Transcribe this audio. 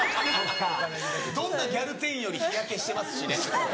どんなギャル店員より日焼けしてますしね。